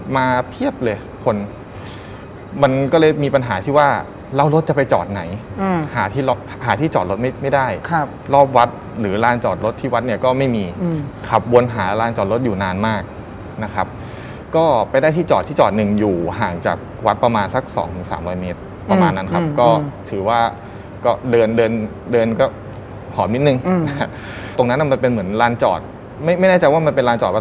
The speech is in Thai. เพียบเลยคนมันก็เลยมีปัญหาที่ว่าแล้วรถจะไปจอดไหนหาที่หาที่จอดรถไม่ได้ครับรอบวัดหรือลานจอดรถที่วัดเนี่ยก็ไม่มีขับวนหาลานจอดรถอยู่นานมากนะครับก็ไปได้ที่จอดที่จอดหนึ่งอยู่ห่างจากวัดประมาณสักสองถึงสามร้อยเมตรประมาณนั้นครับก็ถือว่าก็เดินเดินเดินก็หอมนิดนึงตรงนั้นมันเป็นเหมือนลานจอดไม่ไม่แน่ใจว่ามันเป็นลานจอด